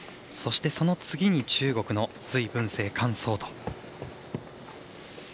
そして、その次に中国の隋文静、韓聡と。